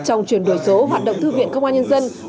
trong chuyển đổi số hoạt động thư viện công an nhân dân